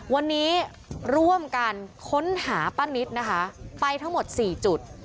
วันนี้ร่วมกันค้นหาป้านิตนะคะไปทั้งหมด๔จุด